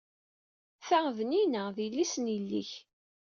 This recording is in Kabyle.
Ta d Nina, d yelli-s n yelli-k.